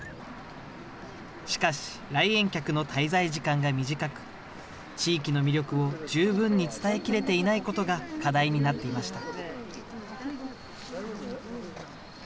しかし、来園客の滞在時間が短く、地域の魅力を十分に伝えきれていないことが課題になっていました。